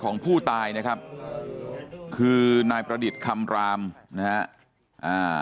ของผู้ตายนะครับคือนายประดิษฐ์คำรามนะฮะอ่า